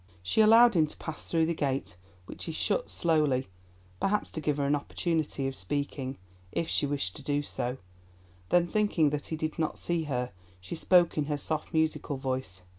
She allowed him to pass through the gate, which he shut slowly, perhaps to give her an opportunity of speaking, if she wished to do so; then thinking that he did not see her she spoke in her soft, musical voice.